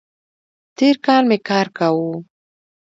تېر کال می کار کاوو